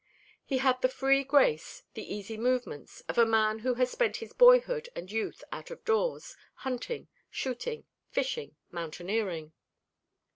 He had the free grace, the easy movements, of a man who has spent his boyhood and youth out of doors hunting, shooting, fishing, mountaineering.